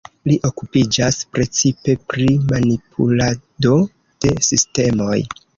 Li okupiĝas precipe pri manipulado de sistemoj.